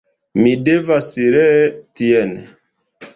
Mi devas ree tien.